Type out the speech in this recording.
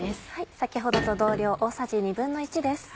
先ほどと同量大さじ１／２です。